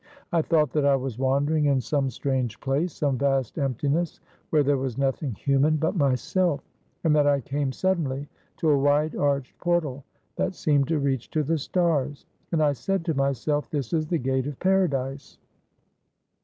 I thought that I was wandering in some strange place, some vast emptiness where there was nothing human but myself, and that I came suddenly to a wide arched portal that seemed to reach to the stars, and I said to myself, 'this is the Gate of Paradise.'